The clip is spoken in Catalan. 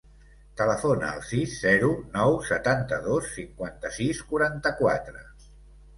Telefona al sis, zero, nou, setanta-dos, cinquanta-sis, quaranta-quatre.